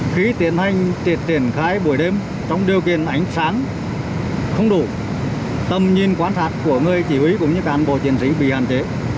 khi tiến hành triệt khai buổi đêm trong điều kiện ánh sáng không đủ tầm nhìn quan sát của người chỉ huy cũng như cán bộ chiến sĩ bị hạn chế